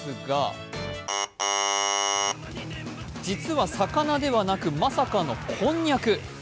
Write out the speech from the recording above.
実は魚ではなく、まさかのこんにゃく。